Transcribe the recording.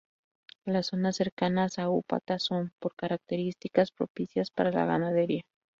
Las zonas cercanas a Upata son, por características, propicias para la ganadería.